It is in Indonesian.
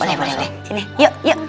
sini yuk yuk